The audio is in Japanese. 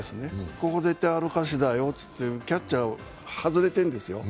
ここ、絶対歩かせだよってって、キャッチャー外れてるんですよ。